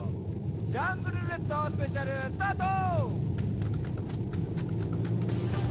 「ジャングルるーれっとスペシャル」スタート！